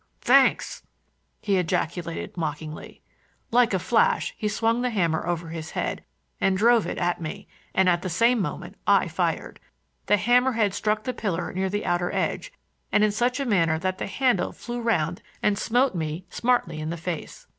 "Thanks!" he ejaculated mockingly. Like a flash he swung the hammer over his head and drove it at me, and at the same moment I fired. The hammer head struck the pillar near the outer edge and in such a manner that the handle flew around and smote me smartly in the face.